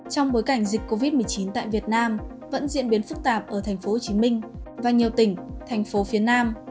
trong bối cảnh dịch covid một mươi chín tại việt nam vẫn diễn biến phức tạp ở thành phố hồ chí minh và nhiều tỉnh thành phố phía nam